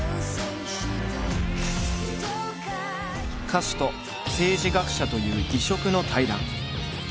歌手と政治学者という異色の対談。